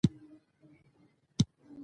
د نارينه کرکټر سترګو ته ګوري